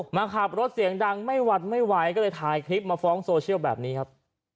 มาขับรถเสียงดังไม่หวัดไม่ไหวก็เลยถ่ายคลิปมาฟ้องโซเชียลแบบนี้ครับ